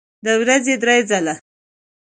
د ورځې درې ځله